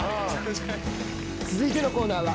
続いてのコーナーは。